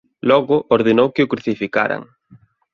Logo ordenou que o crucificaran.